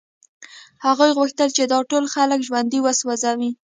هغوی غوښتل چې دا ټول خلک ژوندي وسوځوي